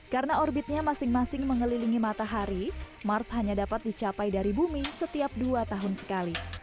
karena orbitnya masing masing mengelilingi matahari mars hanya dapat dicapai dari bumi setiap dua tahun sekali